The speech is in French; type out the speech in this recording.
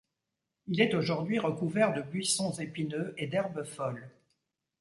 Il est aujourd'hui recouvert de buissons épineux et d'herbes folles.